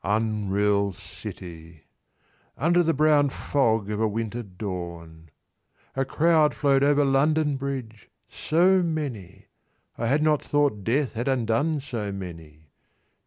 Unreal City, 60 Under the brown fog of a winter dawn, A crowd flowed over London Bridge, so many, I had not thought death had undone so many.